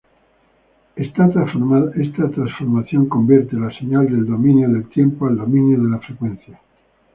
Esta transformada convierte la señal del dominio del tiempo al dominio de la frecuencia.